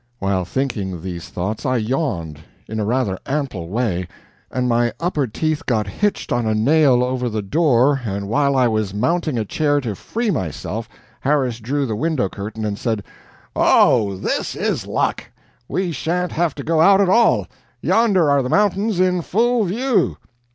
While thinking these thoughts I yawned, in a rather ample way, and my upper teeth got hitched on a nail over the door, and while I was mounting a chair to free myself, Harris drew the window curtain, and said: "Oh, this is luck! We shan't have to go out at all yonder are the mountains, in full view."